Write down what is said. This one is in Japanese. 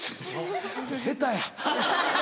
下手や。